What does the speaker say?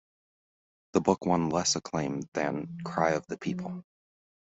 The book won less acclaim than "Cry of the People".